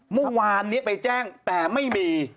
เมื่อวานนี้ไปแจ้งแต่ไม่มี